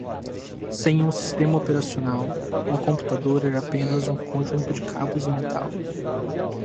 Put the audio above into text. Sem um sistema operacional, um computador é apenas um conjunto de cabos e metal.